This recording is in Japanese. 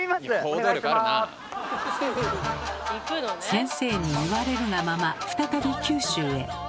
先生に言われるがまま再び九州へ。